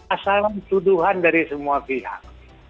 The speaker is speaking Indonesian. asal tuduhan dari semua pihak